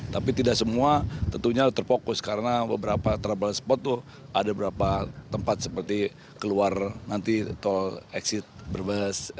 tapi tidak semua tentunya terfokus karena beberapa trouble spot tuh ada beberapa tempat seperti keluar nanti tol exit brebes